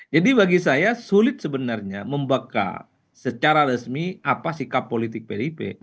jadi bagi saya sulit sebenarnya membaca secara resmi apa sikap politik pdip